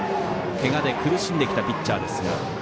けがで苦しんできたピッチャーです。